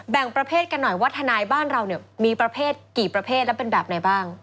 งประเภทกันหน่อยว่าทนายบ้านเราเนี่ยมีประเภทกี่ประเภทและเป็นแบบไหนบ้าง